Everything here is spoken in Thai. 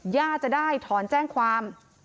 ญาติจะได้ถอนแจ้งความ